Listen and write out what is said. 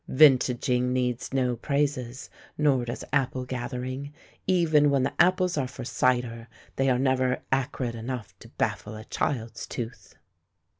Vintaging needs no praises, nor does apple gathering; even when the apples are for cider, they are never acrid enough to baffle a child's tooth.